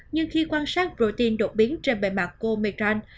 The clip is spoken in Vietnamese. nhưng khi quan sát protein đột biến trên bề mặt của omicron